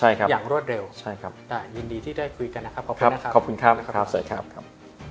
อย่างรวดเร็วยินดีที่ได้คุยกันนะครับขอบคุณครับ